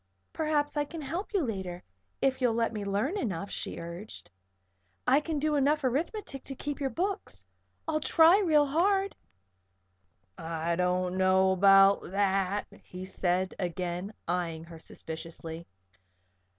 "Perhaps I can help you later, if you'll let me learn enough," she urged. "I can learn enough arithmetic to keep your books. I'll try real hard." "I don't know about that," he said, again, eyeing her suspiciously.